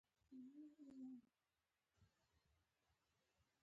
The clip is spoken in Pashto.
د کرنې او سوداګرۍ په برخه کې فرصتونه وزېږول.